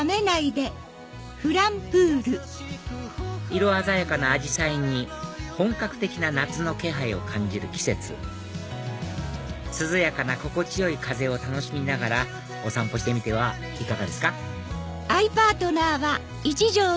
色鮮やかなアジサイに本格的な夏の気配を感じる季節涼やかな心地よい風を楽しみながらお散歩してみてはいかがですか？